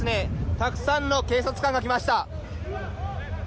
たくさんの警察官が来ました。